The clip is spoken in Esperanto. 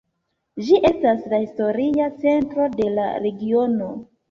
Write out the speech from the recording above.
Ĝi estas la historia centro de la regiono.